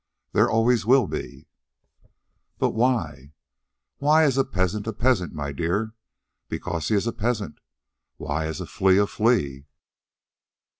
There always will be." "But why?" "Why is a peasant a peasant, my dear? Because he is a peasant. Why is a flea a flea?"